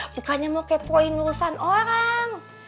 bukannya mau kepoin urusan orang